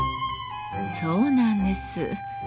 そうなんです。